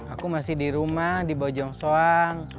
aku masih di rumah di bojong soang